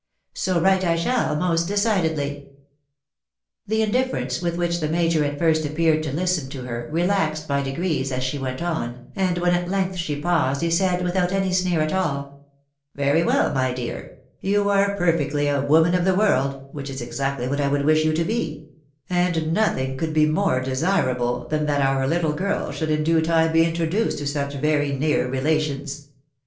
So write I shall most decidedly." The indifference with which the Major at first appeared to listen to her, relaxed by degrees as she went on, and when at length she paused, he said, without any sneer at all, " Very well, my dear ; you are perfectly a woman of the world, which is exactly what I would wish you to be ; and nothing could be more desirable than that our little girl should in due time be introduced to such very near relations.